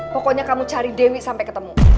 pokoknya kamu cari dewi sampai ketemu